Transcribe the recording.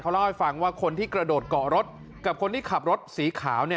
เล่าให้ฟังว่าคนที่กระโดดเกาะรถกับคนที่ขับรถสีขาว